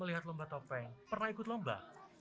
melihat lomba topeng pernah ikut lomba